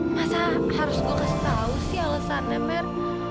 masa harus saya kasih tahu alasannya mer